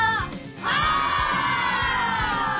お！